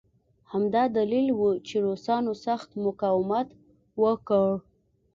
همدا دلیل و چې روسانو سخت مقاومت وکړ